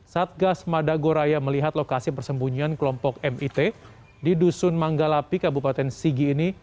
satgas madagoraya melihat lokasi persembunyian kelompok mit di dusun manggalapi kabupaten sigi ini